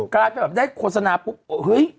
กำลังจะได้โฆษณาปุ๊บเฮ้ย